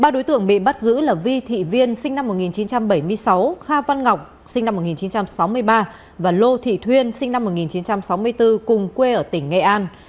ba đối tượng bị bắt giữ là vi thị viên sinh năm một nghìn chín trăm bảy mươi sáu kha văn ngọc sinh năm một nghìn chín trăm sáu mươi ba và lô thị thuyên sinh năm một nghìn chín trăm sáu mươi bốn cùng quê ở tỉnh nghệ an